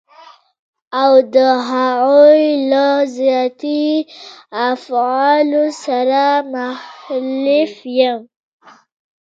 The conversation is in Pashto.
او د هغوی له ذاتي افعالو سره مخالف يم.